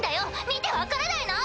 見て分からないの？